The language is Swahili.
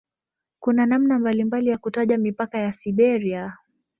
Kuna namna mbalimbali ya kutaja mipaka ya "Siberia".